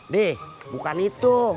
dih bukan itu